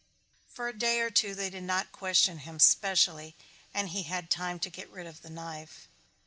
For a day or two they did not question him specially and he had time to get rid of the knife.